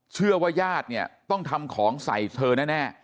เชื่อว่าญาติเนี่ยต้องทำของใส่เธอน่ะแน่